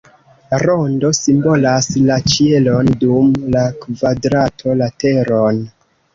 Rondo simbolas la ĉielon, dum la kvadrato la teron.